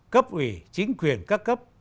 cấp ủy chính quyền các cấp